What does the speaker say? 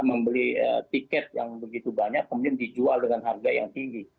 membeli tiket yang begitu banyak kemudian dijual dengan harga yang tinggi